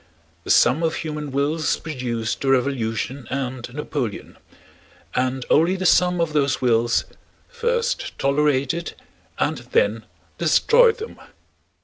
The sum of human wills produced the Revolution and Napoleon, and only the sum of those wills first tolerated and then destroyed them.